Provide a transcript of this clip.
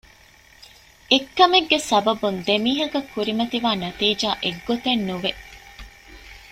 އެއް ކަމެއްގެ ސަބަބުން ދެ މީހަކަށް ކުރިމަތިވާ ނަތީޖާ އެއްގޮތެއް ނުވެ